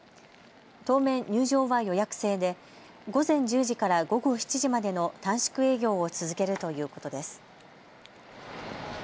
当面、入場は予約制で午前１０時から午後７時までの短縮営業を続けるということです。